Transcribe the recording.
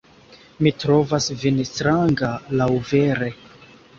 Mi trovas vin stranga, laŭvere!